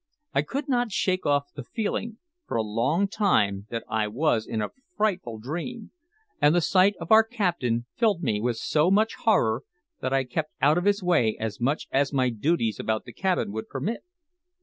I could not shake off the feeling for a long time that I was in a frightful dream, and the sight of our captain filled me with so much horror that I kept out of his way as much as my duties about the cabin would permit.